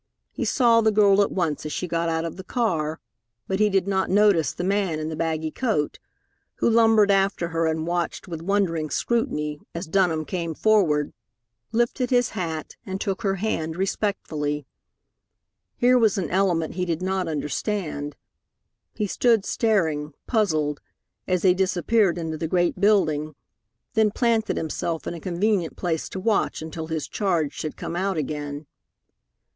He saw the girl at once as she got out of the car, but he did not notice the man in the baggy coat, who lumbered after her and watched with wondering scrutiny as Dunham came forward, lifted his hat, and took her hand respectfully. Here was an element he did not understand. He stood staring, puzzled, as they disappeared into the great building; then planted himself in a convenient place to watch until his charge should come out again.